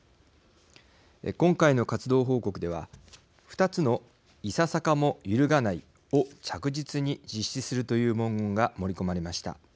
今回の活動報告では二つのいささかも揺るがないを着実に実施するという文言が盛り込まれました。